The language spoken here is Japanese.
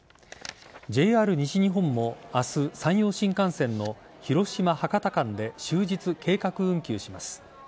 ＪＲ西日本も明日、山陽新幹線の広島博多間で終日計画運休します。